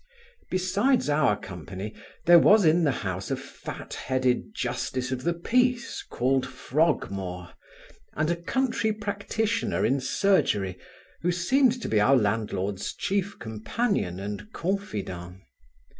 Besides our company, there was in the house a fat headed justice of the peace, called Frogmore, and a country practitioner in surgery, who seemed to be our landlord's chief companion and confidant.